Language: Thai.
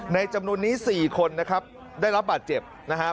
จำนวนนี้๔คนนะครับได้รับบาดเจ็บนะครับ